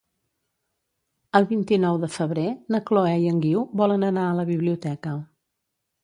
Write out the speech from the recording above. El vint-i-nou de febrer na Chloé i en Guiu volen anar a la biblioteca.